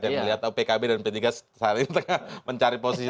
yang melihat pkb dan p tiga saling mencari posisi